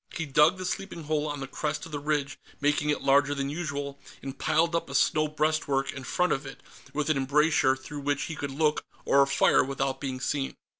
He dug the sleeping hole on the crest of the ridge, making it larger than usual, and piled up a snow breastwork in front of it, with an embrasure through which he could look or fire without being seen.